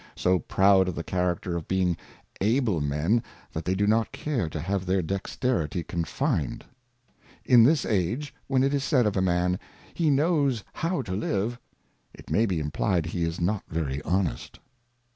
So proud of the Character of being able Men, that they do not care to have their Dexterity confined. In this Age, when it is said of a Man, He knows how to live, it may be imply^d he is not very honest.